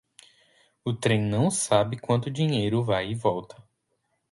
O trem não sabe quanto dinheiro vai e volta.